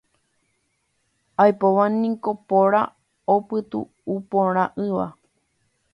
Aipóva niko póra opytu'uporã'ỹva.